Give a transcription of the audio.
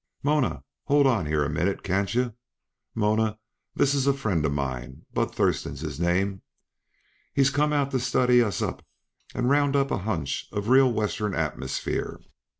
"Mona here, hold on a minute, can't yuh? Mona, this is a friend uh mine; Bud Thurston's his name. He's come out to study us up and round up a hunch uh real Western atmosphere.